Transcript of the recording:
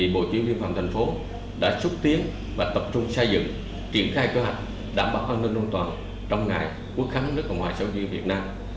bộ chính viên phòng thành phố đã xúc tiến và tập trung xây dựng triển khai cơ hạch đảm bảo an ninh nông toàn trong ngày quốc kháng nước cộng hòa xã hội chủ nghĩa việt nam